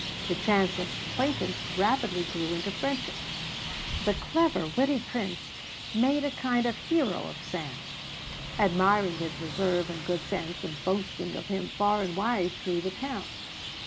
The chance acquaintance rapidly grew into friendship. The clever, witty Prince made a kind of hero of Sam, admiring his reserve and good sense and boasting of him far and wide through the town.